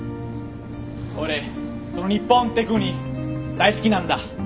俺この日本って国大好きなんだ。